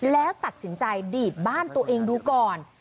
แล้วตัดสินใจดีดบ้านตัวเองดูก่อน